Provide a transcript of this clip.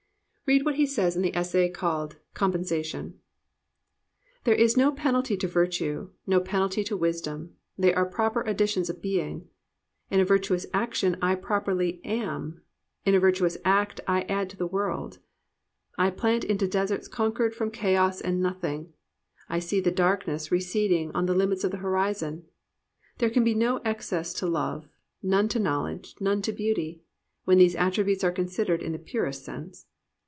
Read what he says in the essay called Compensa tion : "There is no penalty to virtue; no penalty to wisdom; they are proper additions of being. In a virtuous action I properly am; in a virtuous act I add to the world; I plant into deserts conquered from Chaos and Nothing, and see the darkness re ceding on the limits of the horizon. There can be no excess to love, none to knowledge, none to beauty, when these attributes are considered in the purest sense.